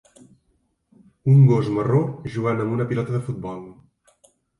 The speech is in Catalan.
Un gos marró jugant amb una pilota de futbol